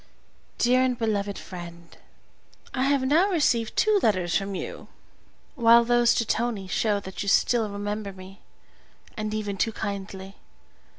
DEAR AND BELOVED FRIEND, I have now received two letters from you, while those to Tonie show that you still remember me, and even too kindly.